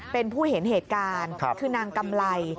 เป็นผู้เห็นเหตุการณ์คือนางกำไร